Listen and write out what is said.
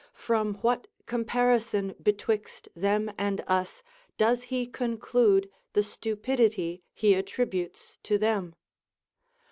from what comparison betwixt them and us does he conclude the stupidity he attributes to them?